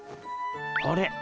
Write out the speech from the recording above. あれ？